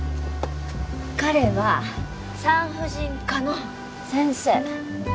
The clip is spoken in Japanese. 彼は産婦人科の先生。